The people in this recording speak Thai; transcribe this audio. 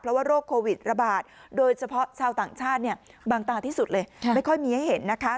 เพราะว่าโรคโควิดระบาดโดยเฉพาะชาวต่างชาติเนี่ยบางตาที่สุดเลยไม่ค่อยมีให้เห็นนะคะ